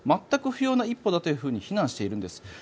全く不要な一歩だと非難しているんです。